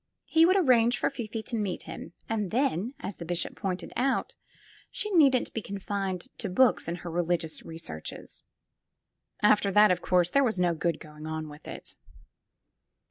He would arrange for Fifi to meet him, and then, as the bishop pointed out, she needn't be confined to books in her religious researches. After that, of course, there was no good going on with it.